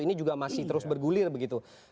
ini juga masih terus bergulir begitu